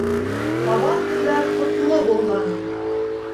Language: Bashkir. Һабантуйҙар ҡотло булһын!